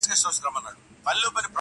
د شپو په زړه کي وینمه توپان څه به کوو؟!